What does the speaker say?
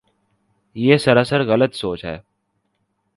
یہ سراسر غلط سوچ ہے۔